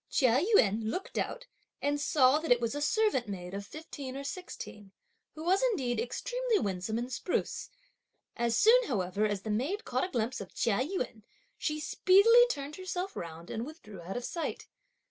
Chia Yün looked out, and saw that it was a servant maid of fifteen or sixteen, who was indeed extremely winsome and spruce. As soon however as the maid caught a glimpse of Chia Yün, she speedily turned herself round and withdrew out of sight.